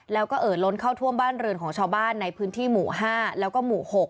แล้วก็เอ่อล้นเข้าท่วมบ้านเรือนของชาวบ้านในพื้นที่หมู่๕แล้วก็หมู่๖